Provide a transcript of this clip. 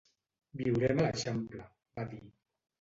Viurem a l'Eixample —va dir.